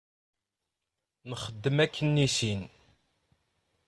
Nxeddem akken i sin.